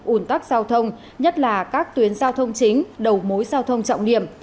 ủn tắc giao thông nhất là các tuyến giao thông chính đầu mối giao thông trọng điểm